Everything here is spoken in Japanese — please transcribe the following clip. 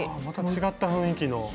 また違った雰囲気の。